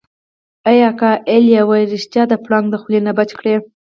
ای اکا ای لېوه يې رښتيا د پړانګ د خولې نه بچ کړی.